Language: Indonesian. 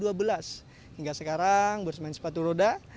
hingga sekarang bermain sepatu roda